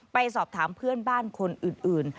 ไปสอบถามเพื่อนบ้านคนอื่น